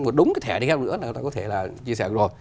một đống cái thẻ đi khác nữa là có thể là chia sẻ được rồi